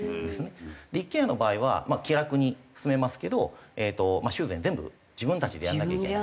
で一軒家の場合は気楽に住めますけど修繕全部自分たちでやらなきゃいけない。